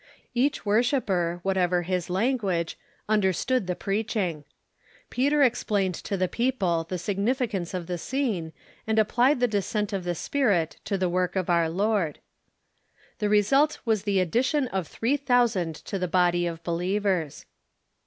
Each wor shipper, whatever his language, understood the pi eaching. Peter explained to the people the significance of the scene, and applied the descent of the Spirit to the Avork of our Lord. THE CHURCH AND ITS HISTORY 5 The result was the addition of three thousand to the body of believers.